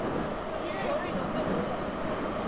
悪いのは全部俺だ！